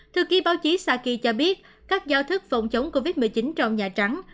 thư ký báo chí saki cho biết các giao thức phòng chống covid một mươi chín trong nhà trắng